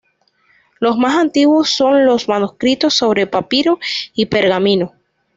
Los más antiguos son los manuscritos sobre papiro y pergamino.